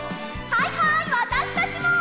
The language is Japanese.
はいはいわたしたちも！